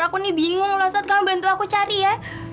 aku nih bingung loh saat kamu bantu aku cari ya